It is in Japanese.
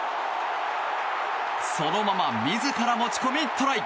そのまま自ら持ち込みトライ。